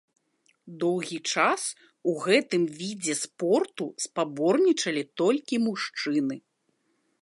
Доўгі час у гэтым відзе спорту спаборнічалі толькі мужчыны.